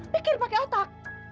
pikir pakai otak